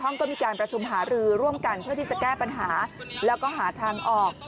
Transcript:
ก็มีการประชุมหารือร่วมกันเพื่อที่จะแก้ปัญหาแล้วก็หาทางออก